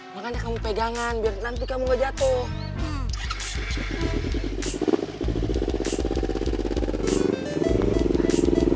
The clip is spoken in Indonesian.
makanya kamu pegangan biar nanti kamu gak jatuh